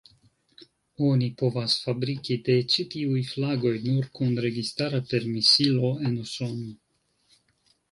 Oni povas fabriki de ĉi tiuj flagoj nur kun registara permesilo en Usono.